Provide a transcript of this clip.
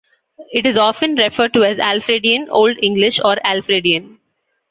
It is often referred to as Alfredian Old English, or Alfredian.